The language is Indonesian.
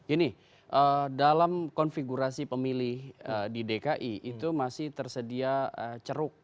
ini dalam konfigurasi pemilih di dki itu masih tersedia ceruk